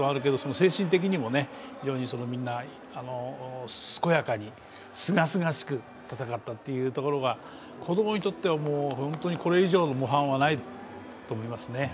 精神的にも非常に健やかにすがすがしく戦ったってところが子供にとっては本当にこれ以上の模範はないと思いますね。